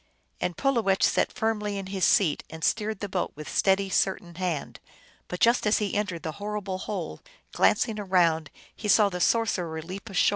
And Pulowech sat firmly in his seat, and steered the boat with steady, certain hand ; but just as he entered the horrible hole, glancing around, he saw the sorcerer leap ashore.